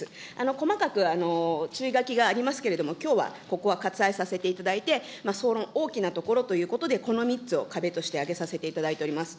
細かく注意書きがありますけれども、きょうはここは割愛させていただいて、総論、大きなところということで、この３つを壁として挙げさせていただいております。